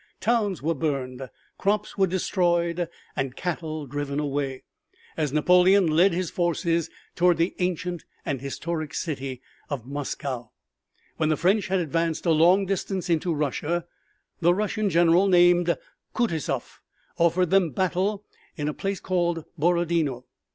Towns were burned, crops were destroyed and cattle were driven away, as Napoleon led his forces toward the ancient and historic city of Moscow. When the French had advanced a long distance into Russia, the Russian general named Kutusoff offered them battle in a place called Borodino.